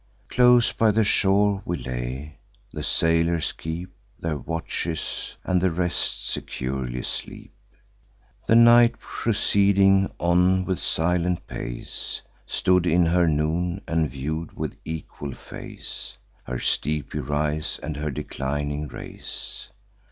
Close by the shore we lay; the sailors keep Their watches, and the rest securely sleep. The night, proceeding on with silent pace, Stood in her noon, and view'd with equal face Her steepy rise and her declining race.